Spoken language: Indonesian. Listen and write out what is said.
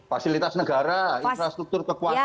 fasilitas negara infrastruktur kekuasaan